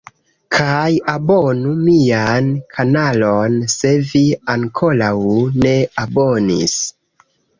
Kaj abonu mian kanalon se vi ankoraŭ ne abonis